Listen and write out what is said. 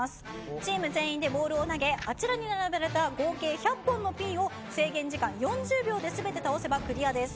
チーム全員でボールを投げあちらに並べられた合計１００本のピンを制限時間４０秒で全て倒せばクリアです。